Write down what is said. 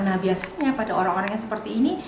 nah biasanya pada orang orang yang seperti ini